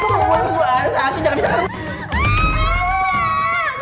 di rumah sakit nih rumah sakit cepetan kak surnir